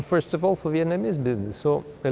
vì vậy chúng ta đừng nghĩ về